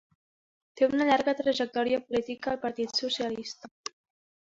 Té una llarga trajectòria política al partit socialista.